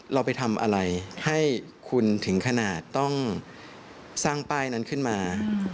เราไปทำอะไรให้คุณถึงขนาดต้องสร้างป้ายนั้นขึ้นมา